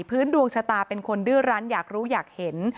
ดวงชะตาเป็นคนดื้อรั้นอยากรู้อยากเห็น